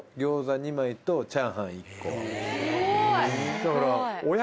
だから。